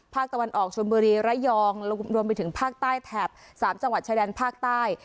ภาคตะวันออกชนบุรีระยองรวมไปถึงภาคใต้แถบ๓จังหวัดชายแดนภาคใต้